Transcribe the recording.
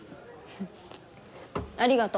ありがと。